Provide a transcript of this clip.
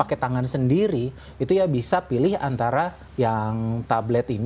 kalau misalnya kamu graphic artist atau misalnya arsitek yang harus nge review laptop